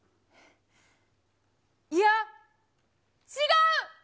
いや、違う！